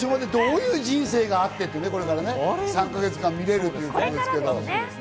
М‐１優勝までどういう人生があって、これからね、３か月間見られるということです。